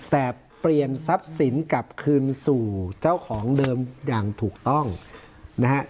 แต่เปลี่ยนทรัพย์สินกลับคืนสู่เจ้าของเดิมอย่างถูกต้องนะฮะ